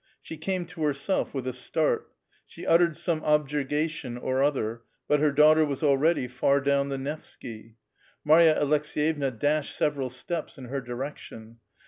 She came to herself with a start. She uttered some objurjQcation or other ; but her daughter was already far down the Nevsky. Marya Alcks6yevna dashed several steps in her direction.